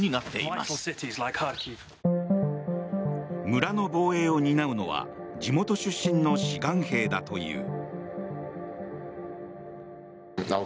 村の防衛を担うのは地元出身の志願兵だという。